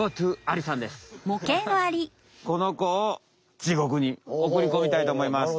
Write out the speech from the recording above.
このこを地獄におくりこみたいとおもいます。